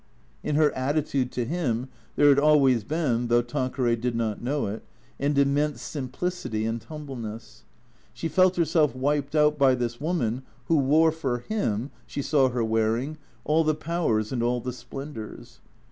In her attitude to him, there had always been, though Tanqueray did ^not know it, an immense simplicity and humbleness. She felt herself wiped out by this woman who wore for him (she saw her wearing) all the powers and all the splendours.